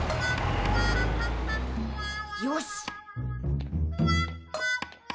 よし！